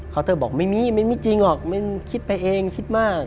เตอร์บอกไม่มีมิ้นไม่จริงหรอกคิดไปเองคิดมาก